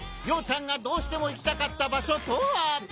洋ちゃんがどうしても行きたかった場所とは！？